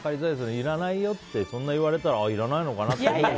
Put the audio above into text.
いらないよってそんな言われたらいらないのかなって思う。